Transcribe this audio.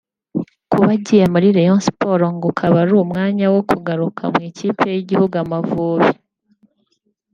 Kuba agiye muri Rayon Sport ngo ukaba ari umwanya wo kugaruka mu ikipe y’igihugu” Amavubi”